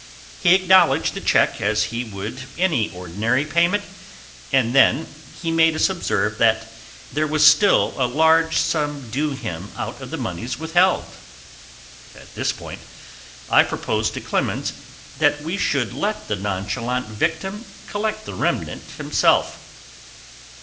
He acknowledged the check as he would any ordinary payment, and then he made us observe that there was still a large sum due him out of the moneys withheld. At this point I proposed to Clemens that we should let the nonchalant victim collect the remnant himself.